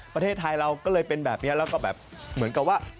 ประเทศไทยเราก็เลยเป็นแบบนี้แล้วก็แบบเหมือนกับว่า